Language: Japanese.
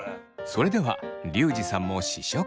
それではリュウジさんも試食。